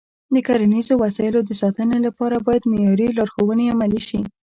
د کرنیزو وسایلو د ساتنې لپاره باید معیاري لارښوونې عملي شي.